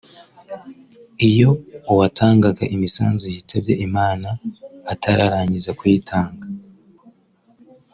Iyo uwatangaga imisanzu yitabye Imana atararangiza kuyitanga